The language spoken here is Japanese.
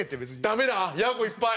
駄目だヤゴいっぱい。